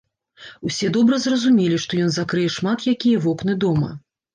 Усе добра зразумелі, што ён закрые шмат якія вокны дома.